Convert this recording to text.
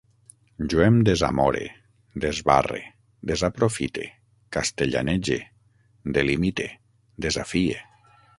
Jo em desamore, desbarre, desaprofite, castellanege, delimite, desafie